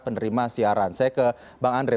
penerima siaran saya ke bang andre